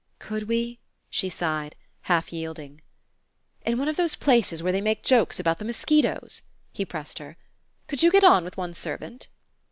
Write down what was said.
"Could we?" she sighed, half yielding. "In one of those places where they make jokes about the mosquitoes," he pressed her. "Could you get on with one servant?"